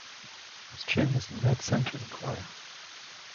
Mrs Jamieson had sent to inquire.